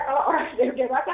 kalau orang dewasa